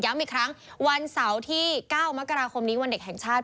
อีกครั้งวันเสาร์ที่๙มกราคมนี้วันเด็กแห่งชาติ